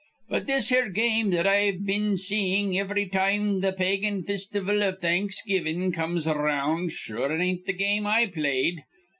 "But this here game that I've been seein' ivry time th' pagan fistival iv Thanksgivin' comes ar round, sure it ain't th' game I played.